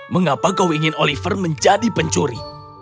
mengapa kau ingin oliver menjadi pencuri